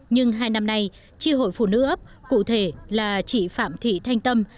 nhưng hai năm nay tri hội phụ nữ ấp cụ thể là chị phạm thị thanh tâm